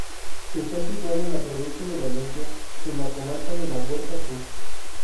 Está situado en la provincia de Valencia, en la comarca de la Huerta Sur.